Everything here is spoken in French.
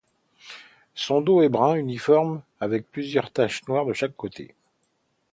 Son dos est brun uniforme avec plusieurs taches noires de chaque côté.